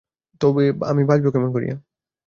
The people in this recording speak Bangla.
তবে আমি বাঁচিব কেমন করিয়া?